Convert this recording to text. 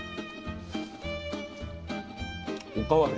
お代わり。